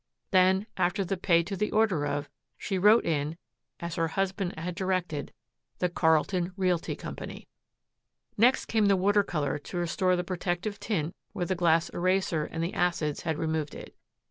Then after the "Pay to the order of" she wrote in, as her husband had directed, "The Carlton Realty Co." Next came the water color to restore the protective tint where the glass eraser and the acids had removed it.